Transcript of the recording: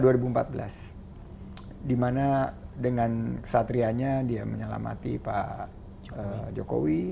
dimana dengan kesatrianya dia menyelamati pak jokowi